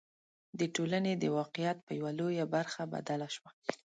د ټولنې د واقعیت په یوه لویه برخه بدله شوه.